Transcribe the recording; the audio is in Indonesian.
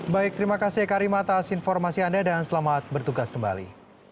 baik terima kasih eka rima atas informasi anda dan selamat bertugas kembali